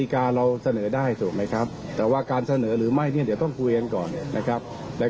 ขอบคุณครับ